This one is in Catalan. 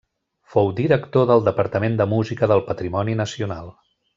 Fou director del Departament de Música del Patrimoni Nacional.